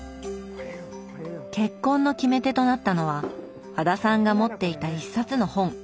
結婚の決め手となったのは和田さんが持っていた一冊の本。